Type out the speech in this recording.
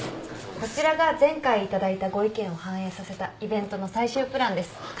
こちらが前回頂いたご意見を反映させたイベントの最終プランです。